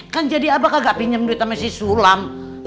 kan jadi abah kagak pinjam duit sama si sulam